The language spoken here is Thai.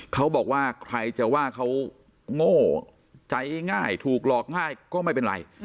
เขาบอกว่าใครจะว่าเขาโง่ใจง่ายถูกหลอกง่ายก็ไม่เป็นไร